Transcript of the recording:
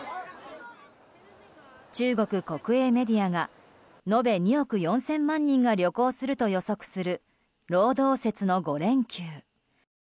中国国営メディアが延べ２億４０００万人が旅行すると予測する労働節の５連休。